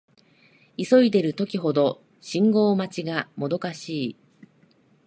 急いでいる時ほど信号待ちがもどかしい